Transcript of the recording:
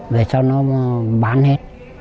vì sao nó bán hết